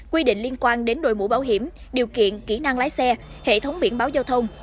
quy định liên quan đến đội mũ bảo hiểm điều kiện kỹ năng lái xe hệ thống biển báo giao thông